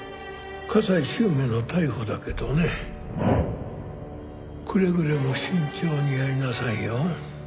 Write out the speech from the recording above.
加西周明の逮捕だけどねくれぐれも慎重にやりなさいよ。